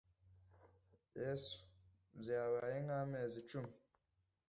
Yesu! Byabaye nk'amezi icumi!